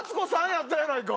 やったやないか！